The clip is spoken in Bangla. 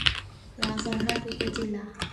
রাজারহাট উপজেলা